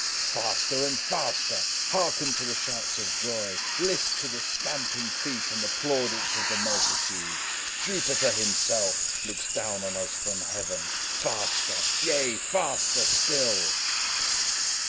Faster and faster! Hearken to the shouts of joy, list to the stamping feet and the plaudits of the multitude. Jupiter himself looks down on us from heaven. Faster! yea, faster still!